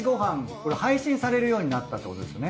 これ配信されるようになったってことですよね。